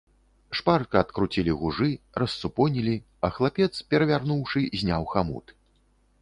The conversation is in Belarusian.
Шпарка адкруцілі гужы, рассупонілі, а хлапец, перавярнуўшы, зняў хамут.